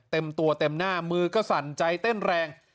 เต็มตัวเต็มหน้ามือก็สั่นใจเต้นแรง